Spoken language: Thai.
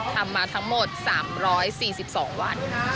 ทำมาทั้งหมด๓๔๒วัน